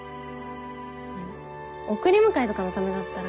送り迎えとかのためだったら。